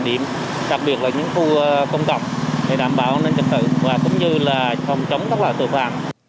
điểm đặc biệt là những khu công cộng để đảm bảo an ninh trật tự và cũng như là phòng chống các loại tội phạm